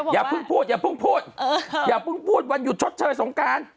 อย่าพึ่งพูดวันหยุดชดเชยสงการ